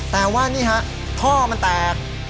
แต่ว่านี่ฮะท่อมันแตก